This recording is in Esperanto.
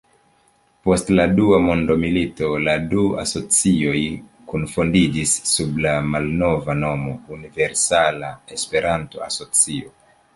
Post la dua mondomilito la du asocioj kunfandiĝis sub la malnova nomo Universala Esperanto-Asocio.